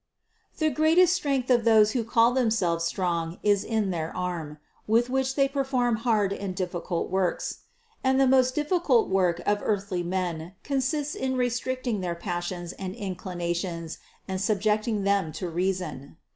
The greatest strength of those who call themselves strong is in their arm, with which they perform hard and difficult works : and the most difficult work of earthly men consists in restrict ing their passions and inclinations and subjecting them to reason.